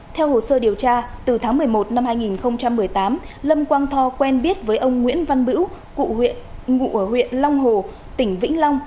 theo hồ sơ điều tra từ tháng một mươi một năm hai nghìn một mươi tám lâm quang tho quen biết với ông nguyễn văn bữu cụ huyện ngụ ở huyện long hồ tỉnh vĩnh long